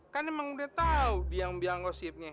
kan emang udah tau biang biang gosipnya